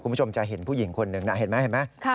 คุณผู้ชมจะเห็นผู้หญิงคนนึงนะเห็นมั้ย